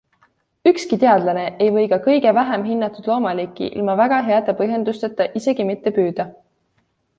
Ükski teadlane ei või ka kõige vähem hinnatud loomaliiki ilma väga heade põhjendusteta isegi mitte püüda.